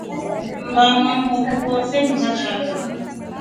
Mba kwamotu voose ni vashaka.